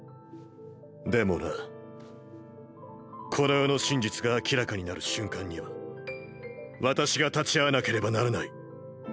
でもなこの世の真実が明らかになる瞬間には私が立ち会わなければならない。